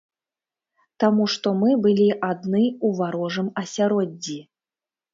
Таму што мы былі адны у варожым асяроддзі.